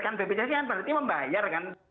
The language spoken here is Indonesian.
kan bpjs kan berarti membayar kan